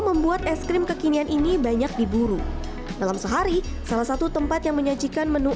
membuat es krim kekinian ini banyak diburu dalam sehari salah satu tempat yang menyajikan menu